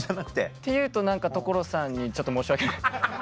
っていうと何か所さんにちょっと申し訳ない。